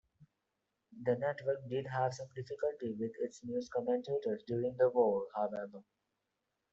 The network did have some difficulty with its news commentators during the war, however.